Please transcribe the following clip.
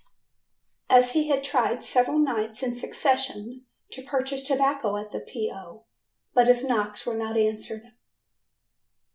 as he had tried several nights in succession to purchase tobacco at the "P. O.", but his knocks were not answered.